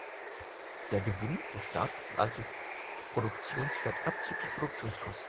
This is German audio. Der "Gewinn" des Staates ist also Produktionswert abzüglich Produktionskosten.